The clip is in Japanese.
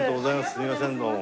すいませんどうも。